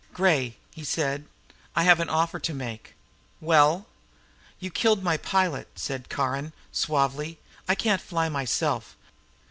"Gray," he said. "I have an offer to make." "Well?" "You killed my pilot," said Caron suavely. "I can't fly, myself.